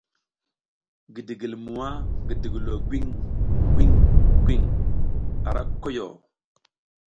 Gidigilmwa gidigilo gwiŋ gwiŋ gwiŋ a ra koyo.